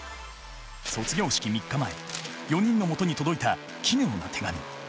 卒業式３日前４人のもとに届いた奇妙な手紙。